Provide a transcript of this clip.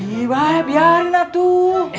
iy wah biarinlah tuh